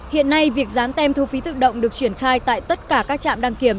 hiện nay việc dán tem thu phí tự động được triển khai tại tất cả các trạm đăng kiểm